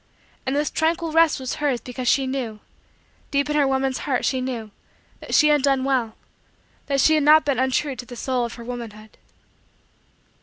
And this tranquil rest was hers because she knew deep in her woman's heart she knew that she had done well; that she had not been untrue to the soul of her womanhood.